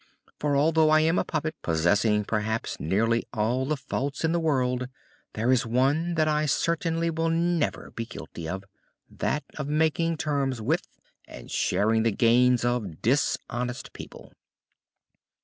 For, although I am a puppet, possessing perhaps nearly all the faults in the world, there is one that I certainly will never be guilty of, that of making terms with, and sharing the gains of, dishonest people!"